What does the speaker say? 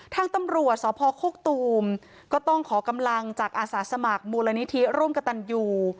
ทางตำรวจสพโคกตูมก็ต้องขอกำลังจากอาสาสมัครมูลนิธิร่วมกับตันยู